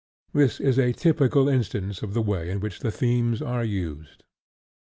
This is a typical instance of the way in which the themes are used.